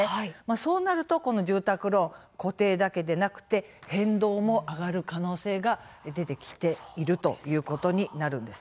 そうなると、住宅ローン固定だけではなくて変動も上がる可能性が出てくることになります。